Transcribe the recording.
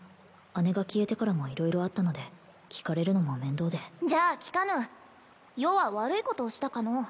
姉が消えてからも色々あったので聞かれるのも面倒でじゃあ聞かぬ余は悪いことをしたかの？